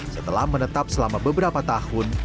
setelah menetap selama beberapa tahun